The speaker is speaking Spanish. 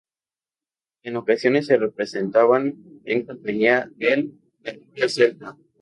En ocasiones se representaban en compañía del Mercurio Celta.